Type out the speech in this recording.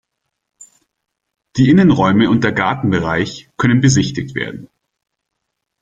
Die Innenräume und der Gartenbereich können besichtigt werden.